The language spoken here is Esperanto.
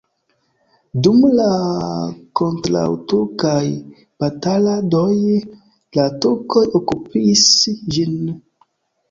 Dum la kontraŭturkaj bataladoj la turkoj okupis ĝin.